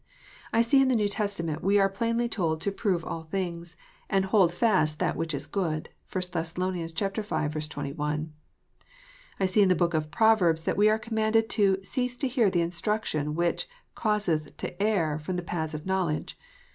I see in the iN"ew Testament we are plainly told to " prove all things," and " hold fast that which is good." (1 Thess. v. 21.) I see in the Book of Proverbs that we are commanded to " cease to hear the instruction which causeth to err from the paths of knowledge."